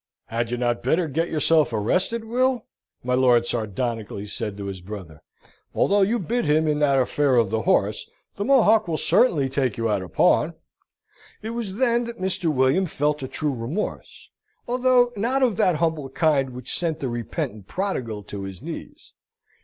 "Had you not better get yourself arrested, Will?" my lord sardonically said to his brother. "Although you bit him in that affair of the horse, the Mohock will certainly take you out of pawn." It was then that Mr. William felt a true remorse, although not of that humble kind which sent the repentant Prodigal to his knees.